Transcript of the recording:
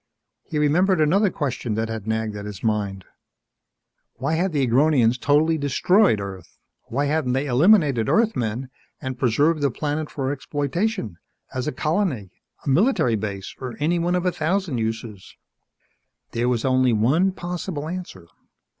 He remembered another question that had nagged at his mind: Why had the Agronians totally destroyed Earth? Why hadn't they eliminated Earthmen and preserved the planet for exploitation as a colony, a military base, any one of a thousand uses? There was only one possible answer.